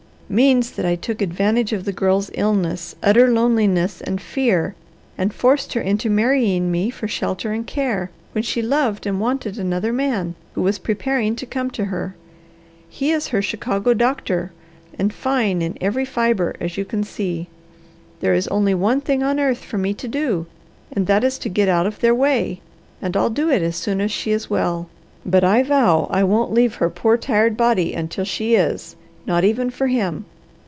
"Means that I took advantage of the Girl's illness, utter loneliness, and fear, and forced her into marrying me for shelter and care, when she loved and wanted another man, who was preparing to come to her. He is her Chicago doctor, and fine in every fibre, as you can see. There is only one thing on earth for me to do, and that is to get out of their way, and I'll do it as soon as she is well; but I vow I won't leave her poor, tired body until she is, not even for him.